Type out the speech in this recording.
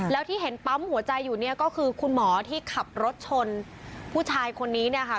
แล้วที่เห็นปั๊มหัวใจอยู่เนี่ยก็คือคุณหมอที่ขับรถชนผู้ชายคนนี้เนี่ยค่ะ